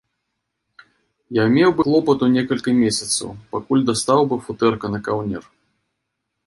Я меў быў клопату некалькі месяцаў, пакуль дастаў быў футэрка на каўнер.